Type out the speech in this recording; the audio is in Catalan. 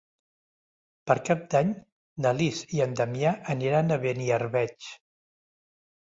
Per Cap d'Any na Lis i en Damià aniran a Beniarbeig.